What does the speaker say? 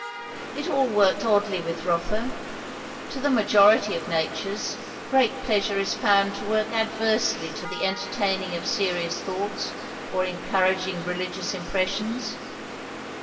It all worked oddly with Rotha. To the majority of natures, great pleasure is found to work adversely to the entertaining of serious thoughts or encouraging religious impressions.